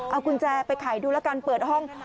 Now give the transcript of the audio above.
เอากุญแจไปขายดูแล้วกันเปิดห้อง